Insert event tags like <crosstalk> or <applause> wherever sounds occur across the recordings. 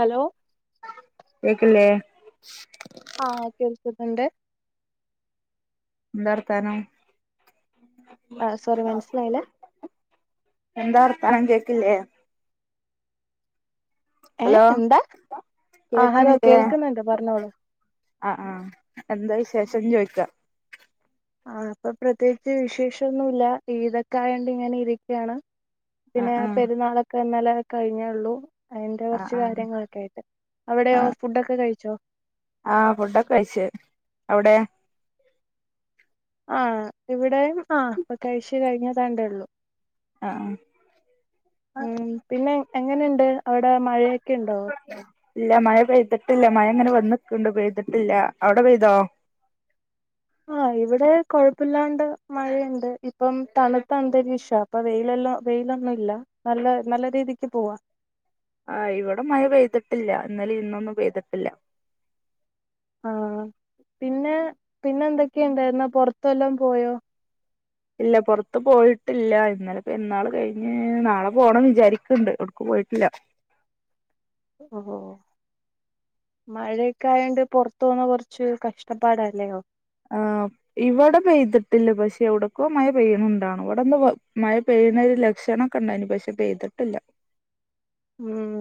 Hello കേക്ക്ല്ലേ? ആഹ് കേൾക്ക്ന്നുണ്ട് എന്താ വർത്താനം? ആഹ് സോറി മനസ്സിലായില്ല? എന്താ വർത്താനം കേക്കില്ലേ? ഏഹ് ഹലോ എന്താ ആഹ് ഹലോ കേക്ക്ണില്ലേ? കേൾക്കുന്നുണ്ട് പറഞ്ഞോളൂ ആഹ് ആഹ് എന്താ വിശേഷം ചോയ്ക്കാ? ആഹ് ഇപ്പൊ പ്രത്യോകിച്ച് വിശേഷൊന്നുവില്ല ജീവിതൊക്കെ ആയോണ്ട് ഇങ്ങനെ ഇരിക്കാണ് ആഹ് പിന്നെ ആഹ് പെരുന്നാളൊക്കെ ഇന്നലെ കഴിഞ്ഞേയൊള്ളൂ അയിന്റെ ആഹ് കൊറച്ച് ആഹ് കാര്യങ്ങളൊക്കെ ആയിട്ട് അവിടെയോ ആഹ് ഫുഡൊക്കെ കഴിച്ചോ? ആഹ് ഫുഡൊക്കെ കഴിച്ചു അവിടെ? ആഹ് ഇവിടെയും ആ് ഇപ്പൊ കഴിച്ച് കഴിഞ്ഞതാണ്ടേയൊള്ളൂ ആഹ് ഉം പിന്നെ എങ്ങനെണ്ട് അവിടെ മഴയൊക്കെ ഉണ്ടോ? ഇല്ല മഴ പെയ്തിട്ടില്ല മഴ ഇങ്ങനെ വന്ന്ക്ക്ണ്ട് പെയ്തിട്ടില്ല അവിടെ പെയ്തോ? ആഹ് ഇവിടെ കൊഴപ്പില്ലാണ്ട് മഴയുണ്ട് ഇപ്പം തണുത്ത അന്തരീക്ഷ ഇപ്പൊ വെയിലല്ലോ വെയിലൊന്നും ഇല്ല നല്ല നല്ല രീതിക്ക് പോവാ ആഹ് ഇവടെ മഴ പെയ്തിട്ടില്ല ഇന്നലിം ഇന്നൊന്നും പെയ്തിട്ടില്ല ആഹ് പിന്നെ പിന്നെന്തൊക്കെ ഇണ്ടായിരുന്ന് പൊറത്ത് വല്ലോം പോയോ? ഇല്ല പൊറത്ത് പോയിട്ടില്ല ഇന്നലെ പെര്ന്നാള് കഴിഞ്ഞ് നാളെ പോണം വിചാരിക്ക്ണ്ട് എവിടുക്കും പോയിട്ടില്ല. ഓഹ് ഹോ മഴയൊക്കെ ആയോണ്ട് പൊറത്ത് പോവുന്ന കൊറച്ച് കഷ്ടപ്പാടല്ലയോ? ആഹ് ഇവടെ പെയ്തിട്ടില്ല പക്ഷെ എവിടെക്കോ മഴ പെയ്യ്ണ് ണ്ടാണും ഇവിടെന്ന് മഴ പെയ്യ്ണൊരു ലക്ഷണം ഒക്കെ ഇണ്ടായിന് പക്ഷെ പെയ്തിട്ടില്ല. ഉം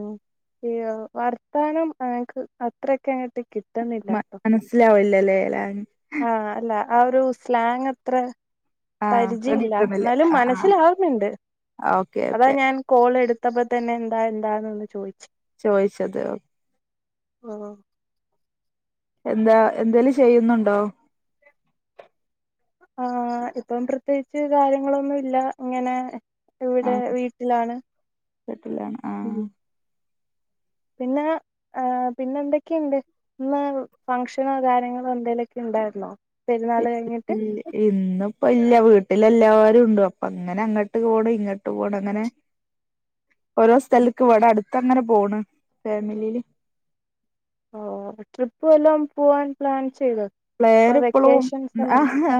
അയ്യോ വർത്താനം ഞങ്ങക്ക് അത്രക്കങ്ങട്ട് കിട്ടന്നില്ല മ മനസ്സിലാവില്ലല്ലേ വല്ലാ ആഹ് അല്ല ആ ഒരു സ്ലാങത്ര ആഹ് റെഡി പരിചയില്ല കിട്ടുന്നില്ല എന്നാലും ആഹ് ആഹ് മനസ്സിലാവുന്നുണ്ട് ഓക്കെ അതാ ഓക്കെ ഞാൻ കോളെടുത്തപ്പോ തന്നെ എന്താ എന്താന്ന് ചോയ്ച്ചെ ചോയ്ച്ചത് ഓ ആഹ് എന്താ എന്തേലും ചെയ്യുന്നുണ്ടോ? ആഹ് ഇപ്പം പ്രത്യോകിച്ച് കാര്യങ്ങളൊന്നുവില്ല ഇങ്ങനെ ഇവിടെ ആഹ് വീട്ടിലാണ് വീട്ടിലാണ് ആഹ് ഉം പിന്നെ ഏഹ് പിന്നെന്തൊക്കെണ്ട്? ഇന്ന് ഫംഗഷനോ കാര്യങ്ങളോ എന്തേലൊക്കെ ഇണ്ടായിരുന്നോ? പെരുന്നാള് കഴിഞ്ഞി ഇല്യ ഇന്ന്പ്പെ ഇല്ല വീട്ടില് എല്ലാരും ഇണ്ട് അപ്പങ്ങനെ അങ്ങട്ട് പോണ് ഇങ്ങട്ട് പോണ് അങ്ങനെ ഓരോ സ്ഥലക്ക് ഇവടെ അടുത്തങ്ങനെ പോണ് ഫാമിലിയില് ഓഹ് ട്രിപ്പ് വല്ലോം പോവാൻ പ്ലാൻ ചെയ്തോ? ഇപ്പൊ പ്ലാനെപ്പളും വെക്കേഷൻ സമയല്ലേ ആഹ്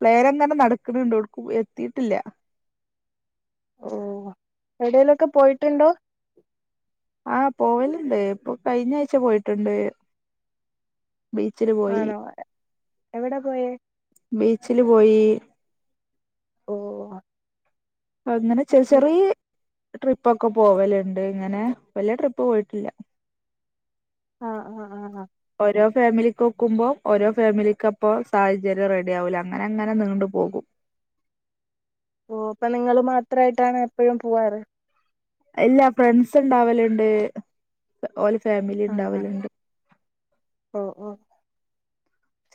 പ്ലേനങ്ങനെ നടക്ക്ണ് ണ്ട് ഒട്ക്കും എത്തിയിട്ടില്ല. ഓഹ് എവിടേലൊക്കെ പോയിട്ടുണ്ടോ? ആഹ് പോവല്ണ്ട് ഇപ്പൊ കഴിഞ്ഞായ്ച്ച പോയിട്ടുണ്ട്. ബീച്ചില് പോയി ആണോ എവിടെ പോയേ ബീച്ചില് പോയീ ഓഹ് അ അങ്ങനെ ചെറി ചെറീ ട്രിപ്പൊക്കെ പോവല്ണ്ട് ഇങ്ങനെ വല്ല്യെ ട്രിപ്പ് പോയിട്ടില്ല. ആഹ് ആഹ് ആഹ് ആഹ് ഓരോ ഫാമിലിക്കൊക്കുമ്പോ ഓരോ ഫാമിലിക്ക് അപ്പോ സാഹചര്യം റെഡി ആവൂല അങ്ങനെ അങ്ങനെ നീണ്ട് പോകും. ഓഹ് അപ്പ നിങ്ങള് മാത്രയിട്ടാണോ എപ്പഴും പൂവാറ് ഇല്ല ഫ്രണ്ട്സ് ഇണ്ടാവല്ണ്ട് ഓലെ ഫാമിലിം ഇണ്ടാവല്ണ്ട്. ഓഹ് ഓഹ്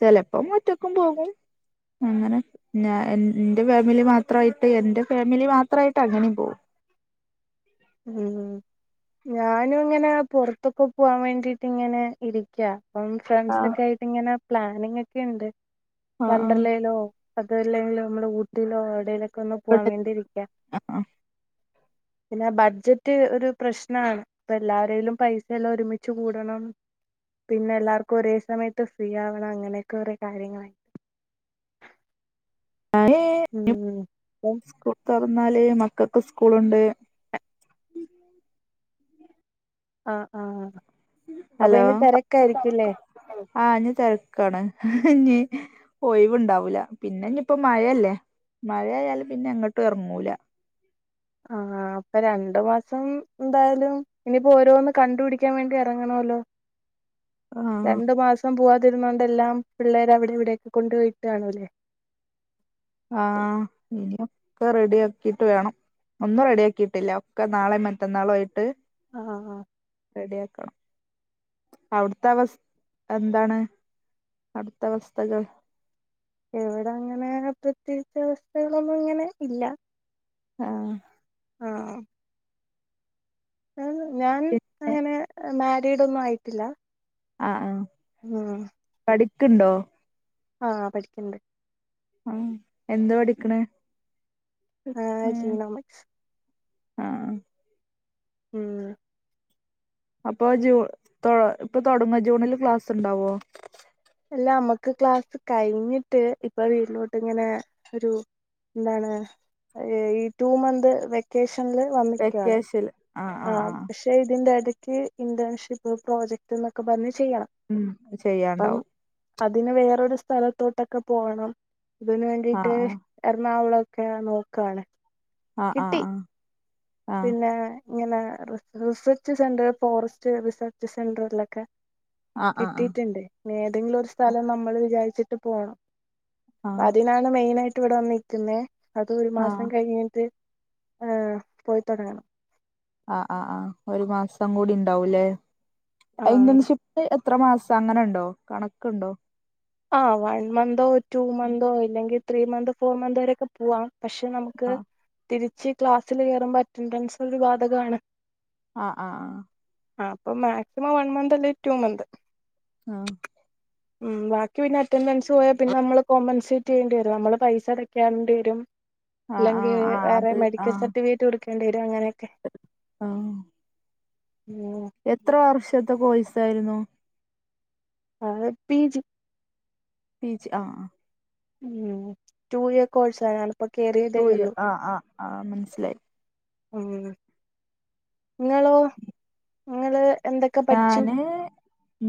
ചെലപ്പം ഒറ്റക്കും പോകും. അങ്ങനെ പിന്നെ എൻ ഇന്റെ ഫാമിലി മാത്രായിട്ട് എന്റെ ഫാമിലി മാത്രായിട്ട് അങ്ങനിം പോവും. ഉം ഉം ഉം ഞാനും ഇങ്ങനെ പുറത്തൊക്കെ പോവാൻ വേണ്ടീട്ട് ഇങ്ങനെ ഇരിക്ക്യാ അപ്പം ഫ്രണ്ട്സ് ആഹ് ഒക്കെ ആയിട്ട് ഇങ്ങനെ പ്ലാനിങ്ങെക്കെയിണ്ട് ആഹ് വണ്ടർലേലോ അത്‌ അല്ലെങ്കില് നമ്മളെ ഊട്ടിലോ എവ്ടേലൊക്കെ ഒന്ന് പോവാൻ വേണ്ടിയിരിക്ക്യാ ആഹ് പിന്നെ ബ ഡ്ജറ്റ് ഒരു പ്രശ്നാണ് ഇപ്പ എല്ലാരേലും പൈസ എല്ലം ഒരുമിച്ച് കൂടണം. പിന്നെ എല്ലാവർക്കും ഒരേ സമയത്ത് ഫ്രീ ആവണം അങ്ങനെയൊക്കെ കൊറെ കാര്യങ്ങളായി ഞാന് ഇഞ് ഉം അപ്പം സ്കൂൾ തൊറന്നാല് മക്കക്ക് ഉസ്ക്കൂളുണ്ട് ആഹ് ആഹ് അപ്പൊ ഇനി തെരക്കായിരിക്കുംല്ലേ ഉം ആഹ് ഇഞ് തെരക്കാണ് ഇഞ് ഒയിവ ഇണ്ടാവൂല പിന്നെ ഇഞ്പ്പൊ മഴയല്ലേ മഴയായാലും പിന്നെ എങ്ങട്ടു എറങ്ങൂല. ആഹ് അപ്പൊ രണ്ടു മാസം എന്തായാലും ഇനിയിപ്പോ ഓരോന്ന് കണ്ടു പിടിക്കാൻ വേണ്ടി എറങ്ങണവല്ലോ. ആഹ് രണ്ട് മാസം പൂവാതിരുന്നോണ്ട് എല്ലാം പിള്ളേര് അവിടെ ഇവിടെയെക്കെ കൊണ്ടു പോയി ഇട്ട്കാണുംല്ലേ ആഹ് ഇനിയൊക്കെ റെഡിയാക്കിയിട്ട് വേണം. ഒന്നും റെഡിയാക്കിയിട്ടില്ല ഒക്കെ നാളേം മറ്റന്നാളും ആയിട്ട് ആ റെഡിയാക്കണം അവ്ട്ത്തെ അവസ് എന്താണ് അവ്ട്ത്തെ അവസ്ഥകൾ ഇവ്ടെ അങ്ങനെ പ്രത്യേകിച്ച് അവസ്ഥകളൊന്നും ഇങ്ങനെ ഇല്ല ആഹ് ആഹ് ഞാന് ഞാൻ പിന്നെ അങ്ങനെ മാരിഡ് ഒന്നും ആയിട്ടില്ല അഹ് ആഹ് ഉം പഠിക്ക്ണ്ടോ ആഹ് ആഹ് പഠിക്ക്ണ്ട് അ ഹ് എന്താ പടിക്ക്ണ് ആഹ് ജിങ്നോമെക്സ് അഹ് ആഹ് ഉം അപ്പൊ ജൂ തൊ ഇപ്പൊ തൊടങ്ങോ ജൂണില് ക്ലാസ് ഇണ്ടാവോ അല്ല അമ്മക്ക് ക്ലാസ്സ് കഴിഞ്ഞിട്ട് ഇപ്പൊ വീട്ടിലോട്ട് ഇങ്ങനെ ഒരു എന്താണ് ഏഹ് ഈ ടു മന്ത് വെക്കേഷൻല് വന്ന്ക്ക്യാണ് ആഹ് പക്ഷെ ഇതിന്റെ എടയ്ക്ക് ഇനന്റെൻഷിപ്പ് പ്രോജക്ട്ന്നൊക്കെ പർഞ്ഞ് ചെയ്യണം ഉം അഹ് അപ്പം ചെയ്യാണ്ടാവും അതിന് വേറൊരു സ്ഥലത്തോട്ടൊക്കെ പോവണം ഇതിന് വേണ്ടിട്ട് ആഹ് എറണാകുളൊക്കെ നോക്കാണ് ആഹ് കിട്ടി ആഹ് ആഹ് പിന്നെ ഇങ്ങനെ റിസർച്ച് സെന്റർ ഫോറസ്റ്റ് റിസർച്ച് സെന്ററിലൊക്കെ ആഹ് ആഹ് കിട്ടിയിട്ടുണ്ട് ഏതെങ്കിലും ഒരു സ്ഥലം നമ്മൾ വിചാരിച്ചിട്ട് പോണം ആഹ് ആഹ് ആഹ് അതിനാണ് മെയിൻ ആയിട്ട് ഇവിടെ വന്ന് നിക്കുന്നത് അത് ഒരു മാസം ആഹ് കഴിഞ്ഞിട്ട് ആഹ് പോയി തുടങ്ങണം ആഹ് ആഹ് ആഹ് ഒരു മാസം കൂടി ഉണ്ടാവൂല്ലേ ആ ഇന്റൻഷിപ്പ് എ ത്ര മാസം അങ്ങനെണ്ടോ കണക്കുണ്ടോ ആഹ് വൺ മന്തോ ടു മന്തോ ഇല്ലെങ്കിൽ ത്രീ മന്തോ ഫോർ മന്ത് വരെക്കെ പോവാം പക്ഷെ നമുക്ക് ആഹ് തിരിച്ച് ക്ലാസ്സിൽ കേറുമ്പോ അറ്റൻഡൻസ് ഒരു ബാധകാണ് ആഹ് ആഹ് ആഹ് ആഹ് അപ്പ മാക്സിമം വൺ മന്ത് അല്ലെ ടു മന്ത് ആഹ് ഉം ബാക്കി പിന്നെ അറ്റൻഡൻസ് പോയാ പിന്നെ നമ്മള് കോമ്പൻസേറ്റ് ചെയ്യേണ്ടി വരും നമ്മള് പൈസ അടയ്ക്കാണ്ടി വരും ആഹ് അല്ലെങ്കിൽ ആഹ് ആഹ് വേറെ അത് മെഡിക്കൽ ആഹ് സർട്ടിഫിക്കറ്റ് കൊടുക്കേണ്ടി വരും അങ്ങനെയൊക്കെ ആഹ് <unintelligible> എത്ര വർഷത്തെ കോഴ്സായിരുന്നു ആഹ് പി ജി പി ജി ആഹ് ആഹ് ഉം ടു ഇയർ കോഴ്സ് ആയാലും ടു ഇയർ ആഹ് ആഹ് ആഹ് മനസ്സിലായി ഉം ഇങ്ങളോ ഇങ്ങള് ഞാന്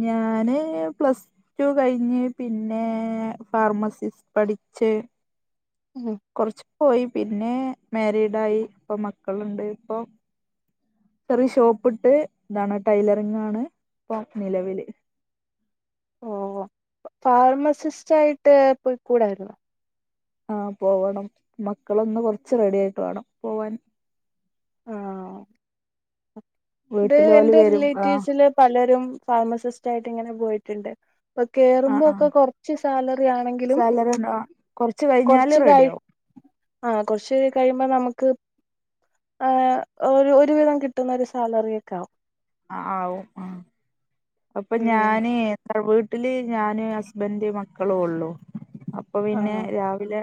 ഞാന് പ്ലസ് ടു കഴിഞ്ഞ് പിന്നെ ഫാർമസിസ്റ്റ് പഠിച്ച് ഉം കൊറച്ച് പോയി പിന്നെ മാരിഡായി ഇപ്പൊ മക്കളുണ്ട് ഇപ്പൊ ഒരു ഷോപ്പിട്ട് ഇതാണ് ടൈലറിംഗ് ആണ് ഇപ്പം നിലവില് ഓഹ് ഫാർമസിസ്റ്റ് ആയിട്ട് പൊയ്ക്കൂടായിരുന്നോ ആഹ് പോവണം മക്കളൊന്ന് കൊറച്ച് റെഡി ആയിട്ട് വേണം പോവാൻ ആഹ് ഇത് വീട്ടിലോല് എന്റെ വരും ആ റിലേറ്റീവ്സില് പലരും ഫാർമസിസ്റ്റ ആയിട്ട് ഇങ്ങനെ പോയിട്ട് ട്ട്ണ്ട് അപ്പൊ ആ കേറുമ്പോ ആ ഒക്കെ കൊറച്ച് സാലറി ആണെങ്കിലും സാലറി ഉണ്ടോ കൊറച്ച് കഴിഞ്ഞാല് കൊറച്ച് റെഡി കഴി ആവും ആഹ് കൊറച്ച് കഴിയുമ്പോ നമുക്ക് ആഹ് ഒരു ഒരുവിധം കിട്ടുന്ന ഒരു സാലറി ഒക്കെ ആവും ആ ആവും ആഹ് അപ്പൊ ഉം ഞാന് വീട്ടില് ഞാന് ഹസ്ബൻഡ് മക്കളും ഉള്ളു അപ്പൊ അപ്പൊ പിന്നെ ആഹ് രാവിലെ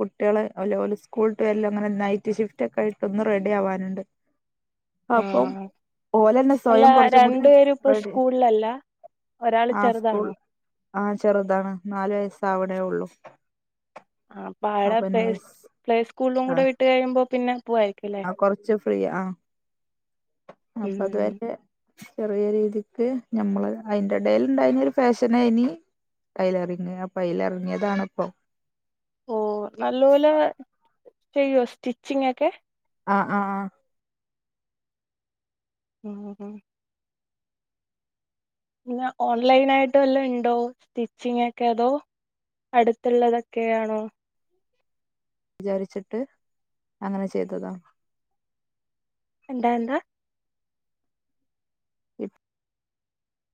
കുട്ടികള് ഓല് ഓല് സ്കൂൾ വിട്ട് <unintelligible> ഒന്നായിട്ട് ഷിഫ്റ്റ് ഒക്കെ ആയിട്ടൊന്ന് റെഡി ആവാനുണ്ട് അപ്പം ആഹ് അല്ലന്നെ അല്ല സ്വയം കൊറച്ചും കൂടി രണ്ടു പേരും ഇപ്പൊ റെഡി സ്കൂളിലല്ല ഒരാള് ആഹ് സ്കൂൾ ചെറുതാണോ ആഹ് ചെറുതാണ് നാലു വയസ്സ് ആവണേ ഉള്ളൂ ആഹ് അപ്പൊ ആടെ പ്ലേ സ് പ്ലേ സ്കൂളിലും കൂടെ വിട്ട് കഴിയുമ്പോൾ പിന്നെ പോവായിരിക്കുലേ അഹ് കൊറച്ച് ഫ്രീ ആഹ് അപ്പൊ ഉം ഇതുവരെ ചെറിയ രീതിക്ക് ഞമ്മള് അയ്ന്റെ എടൽ ഇണ്ടായ്നൊരു ഫാഷനയ്നിം ടൈലറിംഗ് അപ്പൊ അയില് എറങ്ങിയതാണിപ്പം ഓഹ് നല്ലപോലെ ചെയ്യുവോ സ്റ്റിച്ചിങ് ഒക്കെ ആഹ് ആഹ് ഉം നിങ്ങ ഓൺലൈൻ ആയിട്ട് വല്ലാം ഉണ്ടോ സ്റ്റിച്ചിങ് ഒക്കെ അതോ അടുത്തുള്ളതൊക്കെയാണോ വിചാരിച്ചിട്ട് അങ്ങനെ ചെയ്തതാ എന്താ എന്താ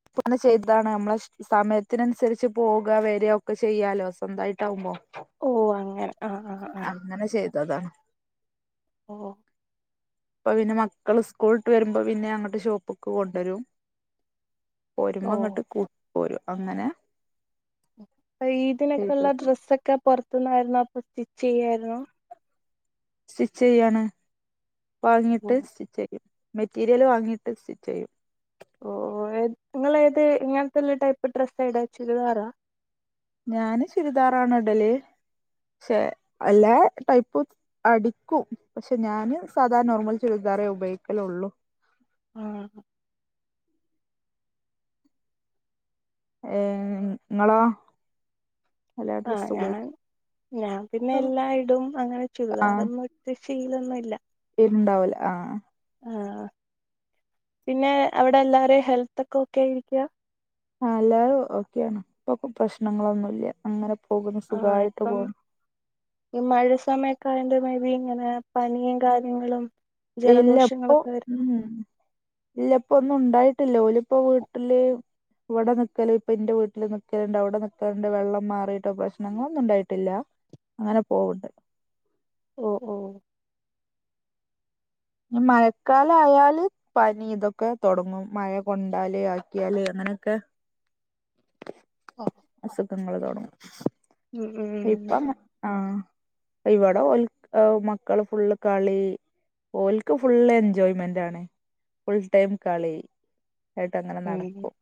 പ്പൊ അങ്ങനെ ചെയ്താണ് നമ്മളെഷ് സമയത്തിനനുസരിച്ച് പോക വരിക ഒക്കെ ചെയ്യാലോ സ്വന്തമായിട്ടാവുമ്പോ ഓഹ് അങ്ങനെ ആഹ് ആഹ് ആഹ് അങ്ങനെ ചെയ്തതാ ഓഹ് <inaudible> അപ്പ പിന്നെ മക്കള് സ്കൂൾട്ട് വരുമ്പോ പിന്നെ അങ്ങട്ട് ഷോപ്പ്ക്ക് കൊണ്ടുവരും ഓഹ് പോരുമ്പങ്ങട്ട് കൂട്ടി പോരും അങ്ങനെ അപ്പ ഈദിനൊക്കെയുള്ള ചെയ്തത് ഡ്രസ്സൊക്കെ പൊറത്തുന്നായിരുന്നോ അപ്പൊ സ്റ്റിച്ച് ചെയ്യായിരുന്നോ സ്റ്റിച്ച് ചെയ്യാണ് വാങ്ങിയിട്ട് ഓഹ് സ്റ്റിച്ച് ചെയ്യും മെറ്റീരിയൽ വാങ്ങിയിട്ട് സ്റ്റിച്ച് ചെയ്യും ഓഹ് ഏ നിങ്ങൾ ഏത് ഇങ്ങനത്തെള്ള ടൈപ്പ് ഡ്രസ്സായിട ചുരിദാറാ ഞാന് ചുരിദാറാണ് ഇടല് ക്ഷേ അല്ലാ ടൈപ്പും അടിക്കും പക്ഷെ ഞാന് സാധാരണ നോർമൽ ചുരിദാറേ ഉപയോഗിക്കലൊള്ളൂ ആഹ് ഏഹ് നിങ്ങളോ ആഹ് ഞാൻ ഞാൻ പിന്നെ എല്ലായിടും അങ്ങനെ ചുരിദാറന്നും ഇട്ട് ശീലൊന്നുല്ല ഇണ്ടാവൂല ആഹ് ആഹ് പിന്നെ അവിടെ എല്ലാരേം ഹെൽത്ത് ഒക്കെ ഒക്കെയായിരിക്കാ ആഹ് എല്ലാരും ഓക്കെയാണ് ഇപ്പൊ പ്രശ്നങ്ങളൊന്നുല്ല അങ്ങനെ പോകുന്നു ആഹ് സുഖായിട്ട് ഇപ്പം പോണു ഈ മഴ സമയക്കായോണ്ട് മേബി ഇങ്ങനെ പനിയും കാര്യങ്ങളും ഇല്ല അപ്പൊ ജലദോഷങ്ങളൊക്കെ വരും ഉം ഇല്ല ഇപ്പ ഒന്നും ഉണ്ടായിട്ടില്ല ഓലിപ്പോ വീട്ടില് ഇവിടെ നിക്കല് ഇപ്പ ഇന്റെ വീട്ടില് നിക്കലുണ്ട് അവിടെ നിക്കലുണ്ട് വെള്ളം മാറിയിട്ട് പ്രശ്നങ്ങളൊന്നും ഉണ്ടായിട്ടില്ല അങ്ങനെ പോവ്ണ്ട് ഓഹ് ഓഹ് ഞ്ഞ് മഴക്കാലായാല്. പനി ഇതൊക്കെ തൊടങ്ങും മഴ കൊണ്ടാല് ആക്കിയാല് അങ്ങനൊക്കെ. ഓഹ് അസുഖങ്ങള് തൊടങ്ങും ഇപ്പ ഉം ആഹ് ഇവിടെ ഓൽ ഏഹ് മക്കള് ഫുള്ള് കളി ഓൽക്ക് ഫുള്ള് എൻജോയ്മെന്റാണ് ഫുൾ ടൈം കളി. ആയിട്ടങ്ങനെ ഉം നടക്കും.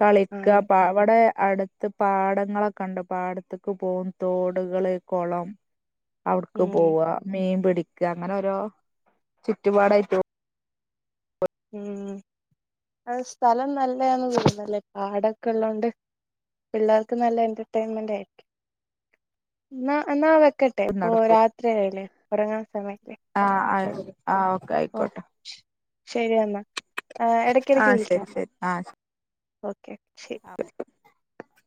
കളിക്കാ ആഹ് പാ ഇവിടെ അടുത്ത് പാടങ്ങളൊക്കെ ഇണ്ട് പാടത്തേക്ക് പോകും തോടുകള് കൊളം. അവിട്ക്ക് ഉം പോവ മീൻ പിടിക്ക അങ്ങനെ ഓരോ ചുറ്റുപാടായിട്ട്. ഉം അ സ്ഥലം നല്ലേന്ന് തോന്ന്ന്നല്ലേ പാടൊക്കെ ഉള്ളത് കൊണ്ട്. പിള്ളാർക്ക് നല്ല എന്റർടൈൻമെൻ്റേ. എന്നാ എന്നാ വെക്കെ ട്ടെ ഇപ്പൊ നടക്കും രാത്രിയായില്ലേ ഉറങ്ങാൻ സമയായില്ലേ. ആഹ് ആഹ്. ആഹ് ഓക്കെ ഓ ആയിക്കോട്ടെ. ശരി എന്നാ ഏഹ് ആ എടക്കിടക്ക് ശരി വിളിക്ക്യണം. ശരി ആ ഓക്കെ ശരി. <unintelligible>